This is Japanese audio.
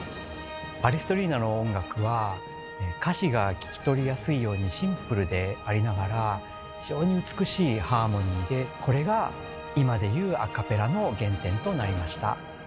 パレストリーナの音楽は歌詞が聞き取りやすいようにシンプルでありながら非常に美しいハーモニーでこれが今で言うアカペラの原点となりました。